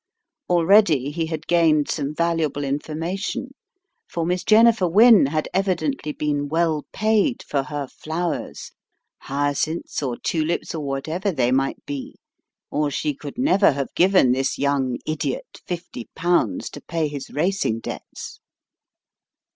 Already he had gained some valuable information, for Miss Jennifer Wynne had evidently been well paid for her flowers, Tangled Threads 179 hyacinths or tulips or whatever they might be, or she could never have given this young idiot fifty pounds to pay his racing debts.